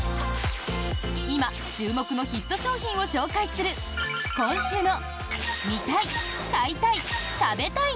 今注目のヒット商品を紹介する今週の「見たい！買いたい！